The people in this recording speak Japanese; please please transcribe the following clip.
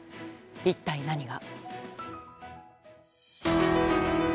一体、何が。